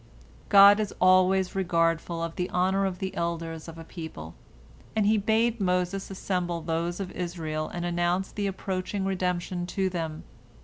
" God is always regardful of the honor of the elders of a people, and He bade Moses assemble those of Israel and announce the approaching redemption to them.